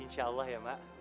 insya allah ya mak